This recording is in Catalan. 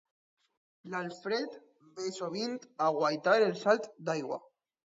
L'Alfred ve sovint a guaitar el salt d'aigua.